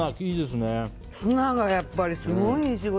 ツナがやっぱりすごいいい仕事。